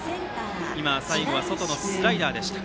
最後は外のスライダーでした。